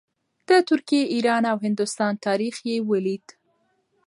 د ترکیې، ایران او هندوستان تاریخ یې ولید.